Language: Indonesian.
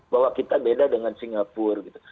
bahwa kita beda dengan singapura gitu